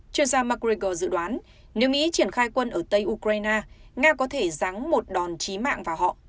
chuyên gia macriger dự đoán nếu mỹ triển khai quân ở tây ukraine nga có thể rắng một đòn trí mạng vào họ